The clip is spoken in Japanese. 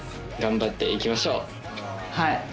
はい。